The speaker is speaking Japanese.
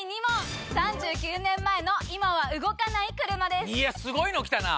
８１万⁉いやすごいの来たな！